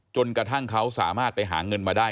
จนกระทั่งเขาสามารถไปหาเงินมาได้